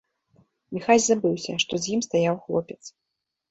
Міхась забыўся, што з ім стаяў хлопец.